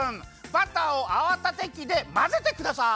バターをあわたてきでまぜてください。